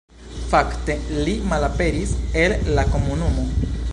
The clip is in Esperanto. Fakte li malaperis el la komunumo.